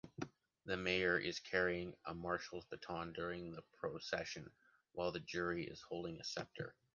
The mayor is carrying a Marshall's baton during the procession while the jury is holding a scepter.